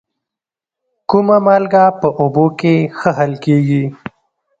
کومه مالګه په اوبو کې ښه حل کیږي؟